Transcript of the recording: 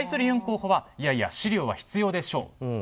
ユン候補はいやいや、資料は必要でしょ。